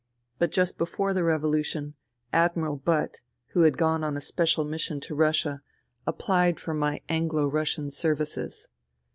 But just before the revolu tion, Admiral Butt, who had gone on a special mission to Russia, applied for my ' Anglo Russian ' services.